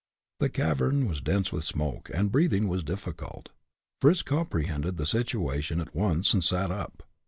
The cavern was dense with smoke, and breathing was difficult. Fritz comprehended the situation at once and sat up.